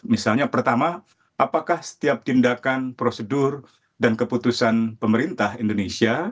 misalnya pertama apakah setiap tindakan prosedur dan keputusan pemerintah indonesia